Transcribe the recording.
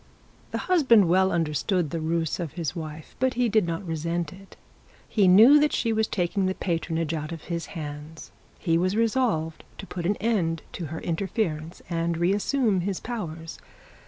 The husband well understood the rule of his wife, but he did not resent it. He knew that she was taking the patronage out of his hands; he was resolved to put an end to her interference, and re assume his powers.